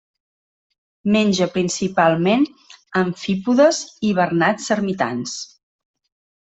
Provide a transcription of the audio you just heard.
Menja principalment amfípodes i bernats ermitans.